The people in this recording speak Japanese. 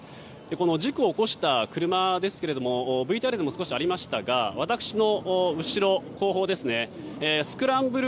この事故を起こした車ですがＶＴＲでも少しありましたが私の後方スクランブル